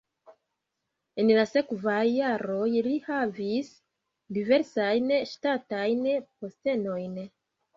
En la sekvaj jaroj li havis diversajn ŝtatajn postenojn.